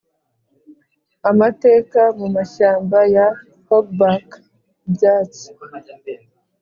amateka, mumashyamba ya hogback! ibyatsi